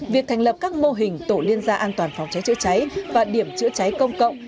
việc thành lập các mô hình tổ liên gia an toàn phòng cháy chữa cháy và điểm chữa cháy công cộng